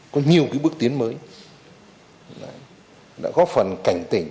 có nhiều bước tiến mới đã góp phần cảnh tỉnh